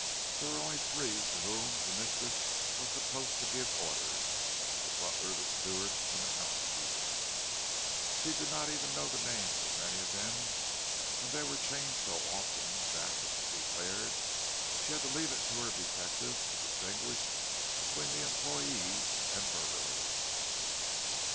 There were only three to whom the mistress was supposed to give orders—the butler, the steward, and the housekeeper; she did not even know the names of many of them, and they were changed so often, that, as she declared, she had to leave it to her detective to distinguish between employees and burglars.